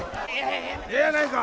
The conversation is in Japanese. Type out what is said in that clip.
ええやないか！